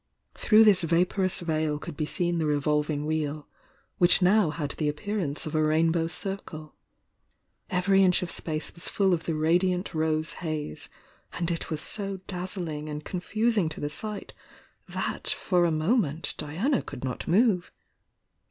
Through this vaporous veil could be seen the revolvbi,"^ Wheel, which now had the appearance of a rai.ibiw circle. Every inch of space was full of the radiant rose haze, and it was so dazzling and confusing to the sight that for a moment Diana could not move.